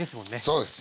そうです